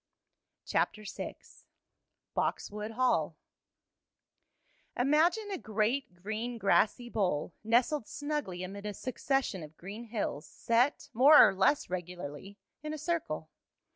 CHAPTER VI BOXWOOD HALL Imagine a great, green, grassy bowl, nestled snugly amid a succession of green hills, set, more or less regularly, in a circle.